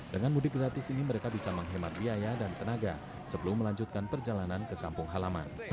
dengan mudik gratis ini mereka bisa menghemat biaya dan tenaga sebelum melanjutkan perjalanan ke kampung halaman